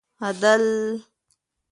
عدل